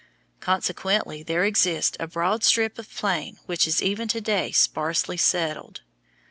Consequently there exists a broad strip of plain which is even to day sparsely settled.